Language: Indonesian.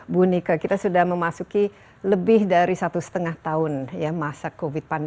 bu nika kita sudah memasuki lebih dari satu setengah tahun ya masa covid sembilan belas